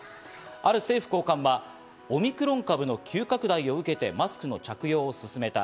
ある政府高官は、オミクロン株の急拡大を受けてマスクの着用を勧めた。